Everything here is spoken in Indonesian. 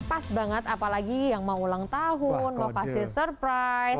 pas banget apalagi yang mau ulang tahun mau kasih surprise